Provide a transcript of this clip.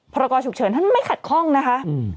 พรกอฉุกเฉินท่านไม่ขัดคล่องนะคะอืม